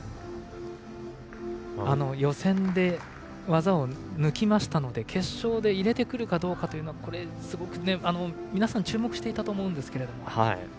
予選で技を抜きましたので決勝で入れてくるかどうかすごく皆さん注目していたと思いますが。